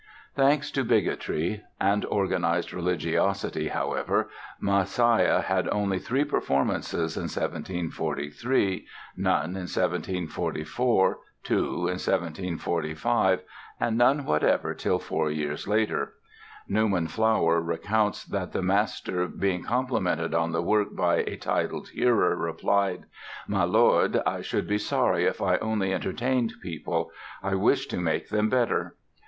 Thanks to bigotry and organized religiosity, however, "Messiah" had only three performances in 1743, none in 1744, two in 1745 and none whatever till four years later. Newman Flower recounts that the master, being complimented on the work by a titled hearer, replied: "My lord, I should be sorry if I only entertained people; I wished to make them better."